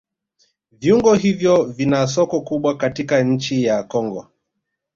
Viuongo hivyo vina soko kubwa katika nchi ya Kongo